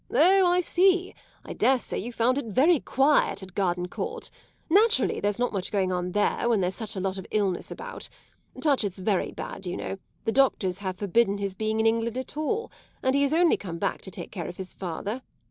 "Oh, I see; I dare say you found it very quiet at Gardencourt. Naturally there's not much going on there when there's such a lot of illness about. Touchett's very bad, you know; the doctors have forbidden his being in England at all, and he has only come back to take care of his father.